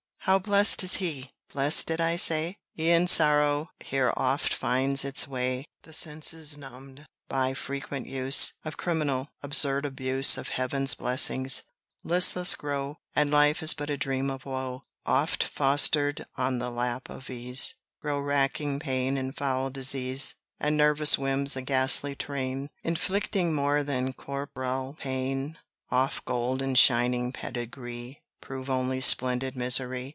How blest is he! blest did I say? E'en sorrow here oft finds its way. The senses numbed by frequent use, Of criminal, absurd abuse Of heaven's blessings, listless grow, And life is but a dream of woe. Oft fostered on the lap of ease, Grow racking pain and foul disease, And nervous whims, a ghastly train, Inflicting more than corp'ral pain: Oft gold and shining pedigree Prove only splendid misery.